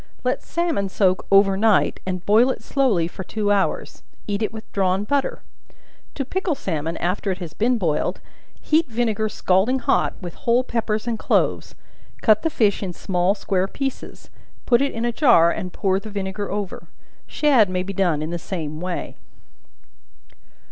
Let salmon soak over night, and boil it slowly for two hours; eat it with drawn butter. To pickle salmon after it has been boiled, heat vinegar scalding hot, with whole peppers and cloves; cut the fish in small square pieces; put it in a jar, and pour the vinegar over. Shad may be done in the same way.